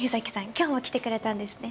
今日も来てくれたんですね。